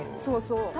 そうそう。